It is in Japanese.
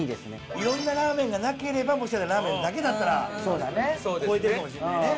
いろんなラーメンがなければもしかしたらラーメンだけだったら超えてるかもしれないね。